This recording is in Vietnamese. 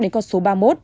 đến con số ba mươi một